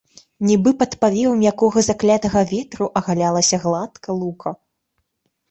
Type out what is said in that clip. Нібы пад павевам якога заклятага ветру агалялася гладка лука.